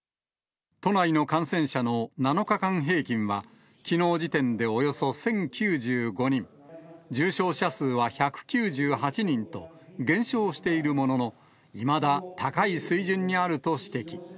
都内の感染者の７日間平均は、きのう時点でおよそ１０９５人、重症者数は１９８人と、減少しているものの、いまだ、高い水準にあると指摘。